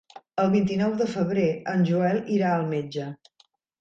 El vint-i-nou de febrer en Joel irà al metge.